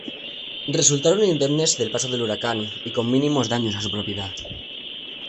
Resultaron indemnes del paso del huracán y con mínimos daños a su propiedad.